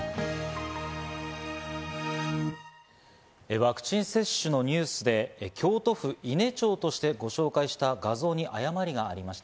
ワクチン接種のニュースで京都府伊根町としてご紹介した画像に誤りがありました。